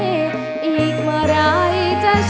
อีกวันคืนนอนร้องหาย